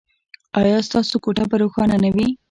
ایا ستاسو کوټه به روښانه نه وي؟